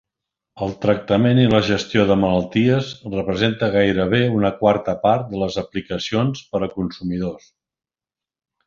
El tractament i la gestió de malalties representa gairebé una quarta part de les aplicacions per a consumidors.